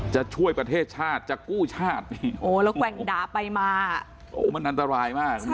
จะช่วยประเทศชาติจะกู้ชาตินี่โอ้แล้วแกว่งด่าไปมาโอ้มันอันตรายมาก